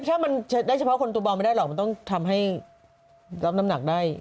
แค่มันได้เฉพาะคนตัวบอลไม่ได้หรอกมันต้องทำให้รับน้ำหนักได้